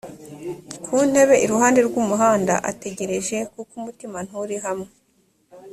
ku ntebe iruhande rw umuhanda ategereje kuko umutima nturihamwe